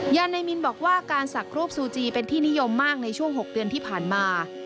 ยานายมินบอกว่าการสักรูปซูจีเป็นที่นิยมมากในช่วง๖เดือนที่ผ่านมา